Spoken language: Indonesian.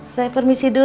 saya permisi dulu